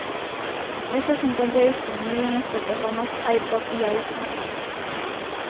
Esta se encuentra disponible en las plataformas iPad y iPhone.